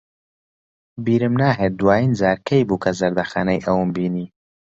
بیرم ناهێت دوایین جار کەی بوو کە زەردەخەنەی ئەوم بینی.